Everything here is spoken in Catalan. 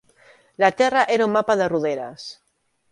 La terra era un mapa de roderes